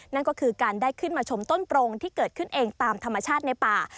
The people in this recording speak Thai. นั่นก็คือการได้ขึ้นมาชมต้นโปรงที่เกิดขึ้นเองตามธรรมชาติในป่า